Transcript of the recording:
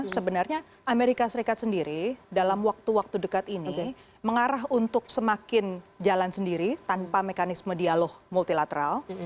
sebenarnya amerika serikat sendiri dalam waktu waktu dekat ini mengarah untuk semakin jalan sendiri tanpa mekanisme dialog multilateral